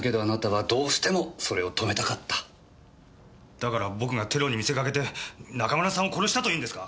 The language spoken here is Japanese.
だから僕がテロに見せかけて中村さんを殺したと言うんですか？